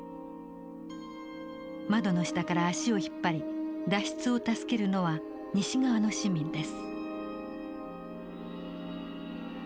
窓の下から足を引っ張り脱出を助けるのは西側の市民です。